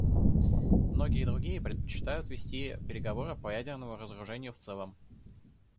Многие другие предпочитают вести переговоры по ядерному разоружению в целом.